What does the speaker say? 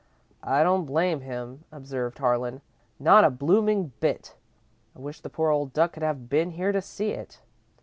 '" "I don't blame him," observed Harlan, "not a blooming bit. I wish the poor old duck could have been here to see it.